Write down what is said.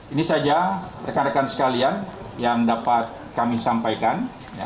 ini saja rekan rekan sekalian yang dapat kami sampaikan